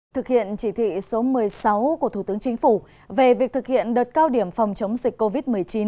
thực hiện chỉ thị số một mươi sáu của thủ tướng chính phủ về việc thực hiện đợt cao điểm phòng chống dịch covid một mươi chín